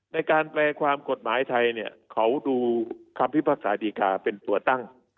ในการแปลความกฎหมายไทยเนี่ยเขาดูคำพิพากษาดีกาเป็นตัวตั้ง